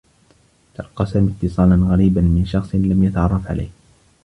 تلقّى سامي اتّصالا غريبا من شخص لم يتعرّف عليه.